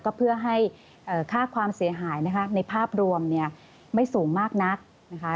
ก็เพื่อให้ค่าความเสียหายนะคะในภาพรวมเนี่ยไม่สูงมากนักนะคะ